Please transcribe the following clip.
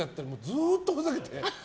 ずっとふざけてて。